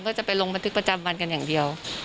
ก็จะไปลงบันทึกประจำวันกันอย่างเดียว